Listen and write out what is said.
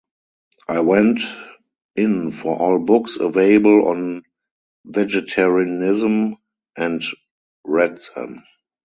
I went in for all books available on vegetarianism and read them.